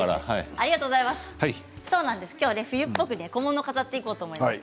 今日は冬っぽく小物を飾っていこうと思います。